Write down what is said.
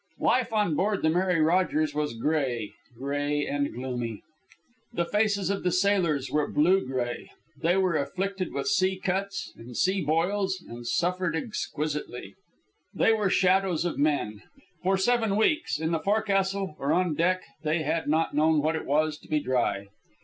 Life on board the Mary Rogers was gray gray and gloomy. The faces of the sailors were blue gray; they were afflicted with sea cuts and sea boils, and suffered exquisitely. They were shadows of men. For seven weeks, in the forecastle or on deck, they had not known what it was to be dry.